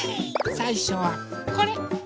さいしょはこれ。